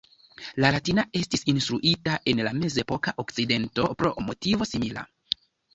La latina estis instruita en la mezepoka Okcidento pro motivo simila.